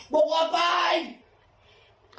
บอกว่าปาย